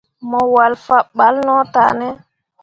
Mo walle fah balla no tah ne ?